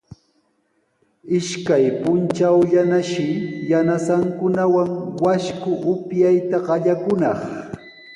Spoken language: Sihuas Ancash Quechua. Ishkay puntrawllatanashi yanasankunawan washku upyayta qallaykunaq.